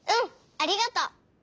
ありがとう！